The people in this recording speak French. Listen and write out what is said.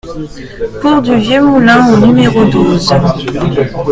Cours du Vieux Moulin au numéro douze